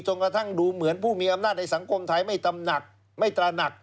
กระทั่งดูเหมือนผู้มีอำนาจในสังคมไทยไม่ตำหนักไม่ตระหนัก